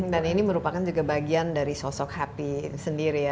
dan ini merupakan juga bagian dari sosok hapi